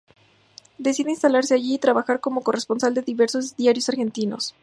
Decide instalarse allí y trabaja como corresponsal de diversos diarios argentinos.